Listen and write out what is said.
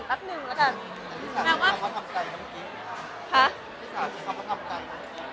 พี่สาธารณีเขาทำใจกันมักกิ๊บค่ะฮะ